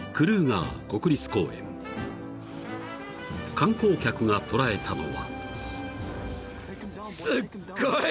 ［観光客が捉えたのは］